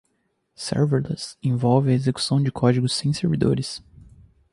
Serverless envolve a execução de código sem servidores.